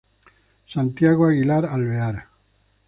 Santiago Aguilar Alvear.